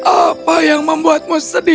apa yang membuatmu sedih pangeran muda